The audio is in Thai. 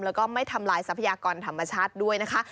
แล้วก็ไม่ทำลายทรัพยากรธรรมชาติด้วยนะคะ